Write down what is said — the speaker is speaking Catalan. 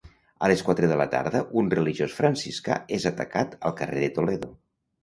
A les quatre de la tarda un religiós franciscà és atacat al carrer de Toledo.